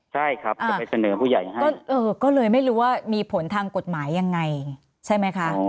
ใช่ครับจะไปเสนอผู้ใหญ่ให้ก็เลยไม่รู้ว่ามีผลทางกฎหมายยังไงใช่ไหมคะ